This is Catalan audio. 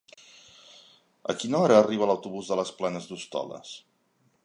A quina hora arriba l'autobús de les Planes d'Hostoles?